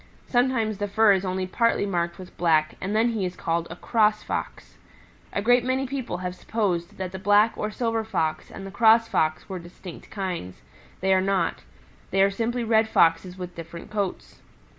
Sometimes the fur is only partly marked with black and then he is called a Cross Fox. A great many people have supposed that the Black or Silver Fox and the Cross Fox were distinct kinds. They are not. They are simply Red Foxes with different coats.